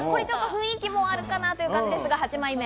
雰囲気もあるかなという感じですが、８枚目。